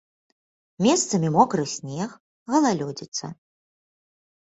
Месцамі мокры снег, галалёдзіца.